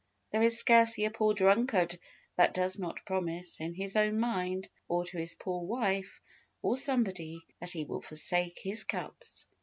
There is scarcely a poor drunkard that does not promise, in his own mind, or to his poor wife, or somebody, that he will forsake his cups.